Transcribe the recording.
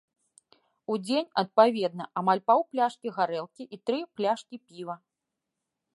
У дзень, адпаведна, амаль паўпляшкі гарэлкі, і тры пляшкі піва.